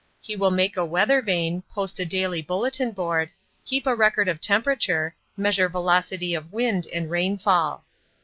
He will make a weather vane, post a daily bulletin board, keep a record of temperature, measure velocity of wind and rainfall.